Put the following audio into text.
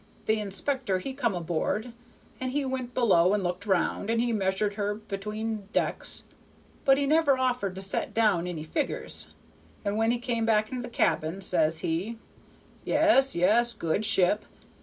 The inspector he come aboard, and he went below and looked round, and he measured her between decks; but he never offered to set down any figgers, and when we came back into the cabin, says he, 'Yes yes good ship!